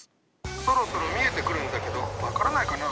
そろそろ見えてくるんだけど分からないかな？